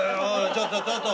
ちょっとちょっと。